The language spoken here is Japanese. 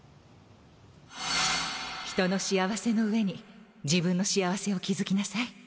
人の幸せの上に自分の幸せを築きなさい